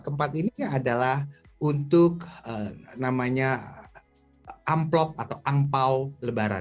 keempat ini adalah untuk namanya amplop atau angpao lebaran